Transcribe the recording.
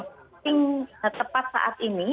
paling tepat saat ini